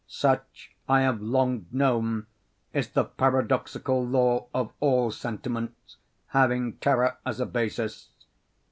Such, I have long known, is the paradoxical law of all sentiments having terror as a basis.